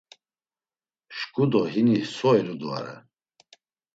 Şǩu do hini so eludvare?